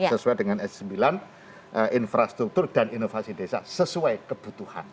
sesuai dengan s sembilan infrastruktur dan inovasi desa sesuai kebutuhan